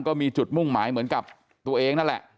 ก็มีจุดมุ่งหมายเหมือนกับตัวเองนั่นแหละ